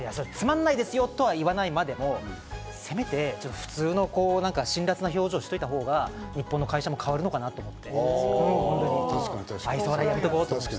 つまんないですよ！とか言わないまでも、せめて普通の辛らつな表情をしておいた方が日本の会社も変わるのかなと思って、愛想笑いやめとこうと思って。